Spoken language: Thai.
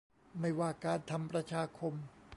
ไม่ว่าการทำประชาคม